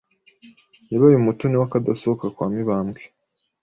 yabaye umutoni w’akadasohoka kwa Mibambwe